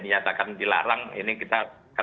dinyatakan dilarang ini kita